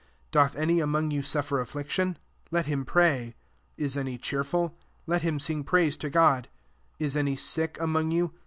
13 Doth any among you suffer affliction ? Let him pray. Is any cheerful ? Let him sing praise to God. 14 Is any sick among you